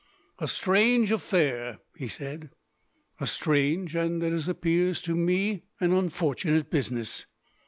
"A strange affair," he said. "A strange and, as it appears to me, an unfortunate business.